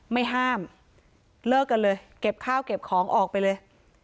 ไม่ห้ามเลิกกันเลยเก็บข้าวเก็บของออกไปเลย